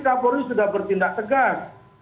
kapolri sudah bertindak tegas